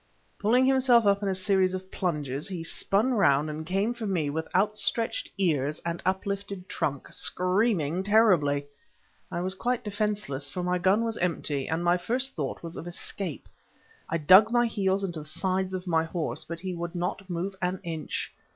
Pulling himself up in a series of plunges, he spun round and came for me with outstretched ears and uplifted trunk, screaming terribly. I was quite defenceless, for my gun was empty, and my first thought was of escape. I dug my heels into the sides of my horse, but he would not move an inch.